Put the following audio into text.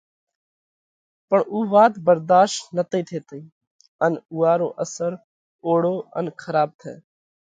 پڻ اُو وات ڀرڌاشت نٿِي ٿيتئِي ان اُوئا رو اثر اوۯو ان کراٻ تئه۔